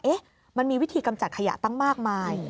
มันมีวิธีกำจัดขยะตั้งมากมาย